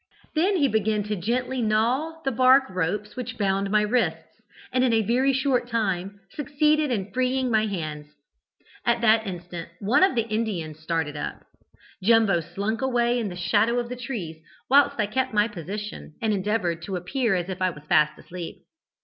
Then he began gently to gnaw the bark ropes which bound my wrists, and in a very short time succeeded in freeing my hands. At that instant one of the Indians started up. Jumbo slunk away in the shadow of the trees, whilst I kept my position, and endeavoured to appear as if I was fast asleep.